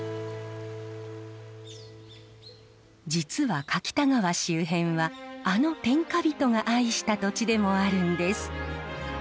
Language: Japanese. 実は柿田川周辺はあの天下人が愛した土地でもあるんです。